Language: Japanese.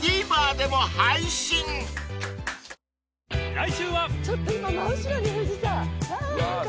［来週は］わ！